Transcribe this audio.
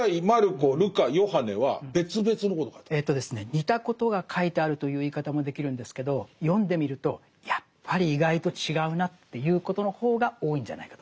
似たことが書いてあるという言い方もできるんですけど読んでみるとやっぱり意外と違うなっていうことの方が多いんじゃないかと思います。